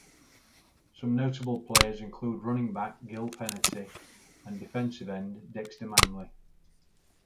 Some notable players include running back Gill Fenerty and defensive end Dexter Manley.